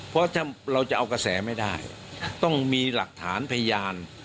เพราะถ้าเราจะเอากระแสไม่ได้ต้องมีหลักฐานพยาน